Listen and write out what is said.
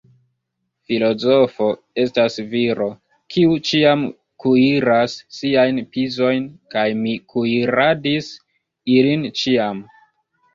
Filozofo estas viro, kiu ĉiam kuiras siajn pizojn, kaj mi kuiradis ilin ĉiam.